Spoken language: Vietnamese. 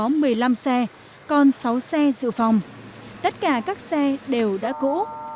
trong đó thực tế sử dụng chỉ có một mươi năm xe còn sáu xe sự phòng tất cả các xe đều đã cổ